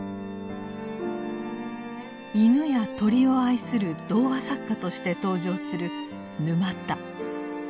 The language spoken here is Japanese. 犬や鳥を愛する童話作家として登場する「沼田」。